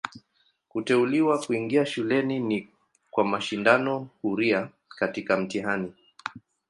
Kuteuliwa kuingia shuleni ni kwa mashindano huria katika mtihani.